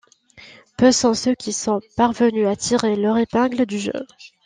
Peu sont ceux qui sont parvenus à tirer leur épingle du jeu.